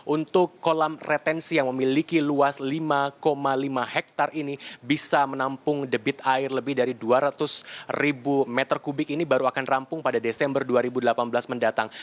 untuk kolam retensi yang memiliki luas lima lima hektare ini bisa menampung debit air lebih dari dua ratus ribu meter kubik ini baru akan rampung pada desember dua ribu delapan belas mendatang